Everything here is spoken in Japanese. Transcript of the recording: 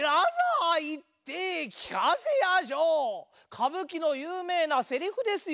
かぶきのゆうめいなせりふですよ。